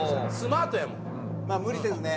スマートやもん。